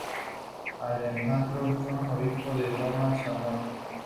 Alejandro Schell, obispo de Lomas de Zamora.